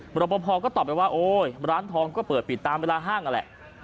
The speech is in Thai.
บรรพพอก็ตอบไปว่าโอ๊ยร้านทอง๑๙๙๙ปรีตามเวลาห้างนั่นแหละ